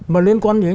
mà liên quan đến